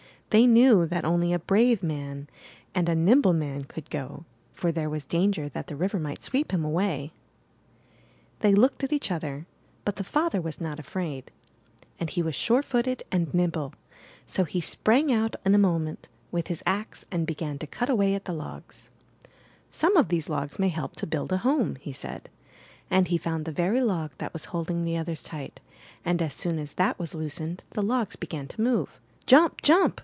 They knew that only a brave man and a nimble man could go, for there was danger that the river might sweep him away. They looked at each other. But the father was not afraid, and he was surefooted and nimble; so he sprang out in a moment, with his ax, and began to cut away at the logs. 290 IN THE NURSERY *'Some of these logs may help to build a home," he said; and he found the very log that was hold ing the others tight, and as soon as that was loos ened, the logs began to move. ''Jump! Jump!''